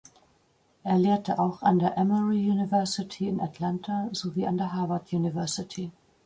Er lehrte auch an der Emory University in Atlanta sowie an der Harvard University.